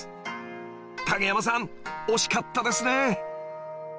影山さん惜しかったですね！